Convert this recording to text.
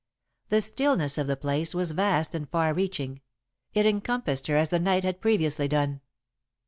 The stillness of the place was vast and far reaching; it encompassed her as the night had previously done.